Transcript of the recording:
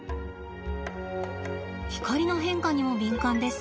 光の変化にも敏感です。